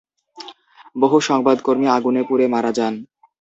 বহু সংবাদকর্মী আগুনে পুড়ে মারা যান।